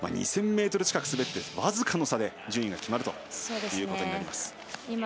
２０００ｍ近く滑って僅かの差で順位が決まるということになります。